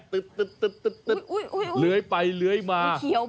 ตึ๊ตึ๊ตึ๊เลือยไปมา